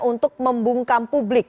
untuk membungkam publik